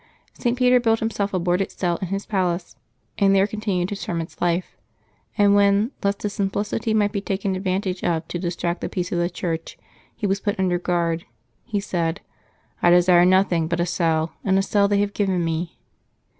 St. Peter built himself a boarded cell in his palace, and there con tinued his hermit's life ; and when, lest his simplicity might be taken advantage of to distract the peace of the Church, he was put under guard, he said, ^' I desired nothing but a cell, and a cell they have given me."